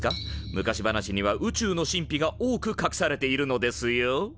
昔話には宇宙の神秘が多くかくされているのですよ。